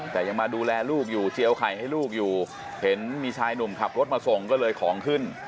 แต่ยังมาดูแลลูกอยู่เจียวไข่ให้ลูกอยู่เห็นมีชายหนุ่มขับรถมาส่งก็เลยของขึ้น